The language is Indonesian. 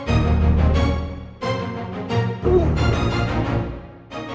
tak kayanya bahaya deh tak